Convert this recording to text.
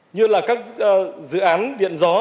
như là các dự án điện gió